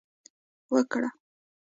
وکړه